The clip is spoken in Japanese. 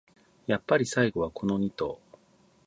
やっぱり最後はこのニ頭